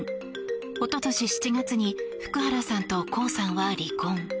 おととし７月に福原さんとコウさんは離婚。